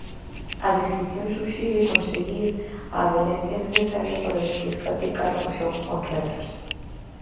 A descrición suxire conseguir a habelencia necesaria para despois practicar o xogo con regras.